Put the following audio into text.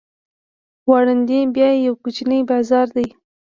وړاندې بیا یو کوچنی بازار دی.